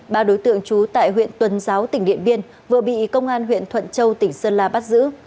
ba đối tượng trú tại huyện tuần giáo tỉnh điện biên vừa bị công an huyện thuận châu tỉnh sơn la bắt giữ